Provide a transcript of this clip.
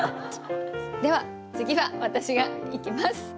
では次は私がいきます。